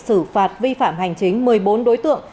xử phạt vi phạm hành chính một mươi bốn đối tượng